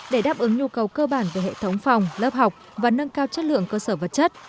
để đáp ứng nhu cầu cơ bản về hệ thống phòng lớp học và nâng cao chất lượng cơ sở vật chất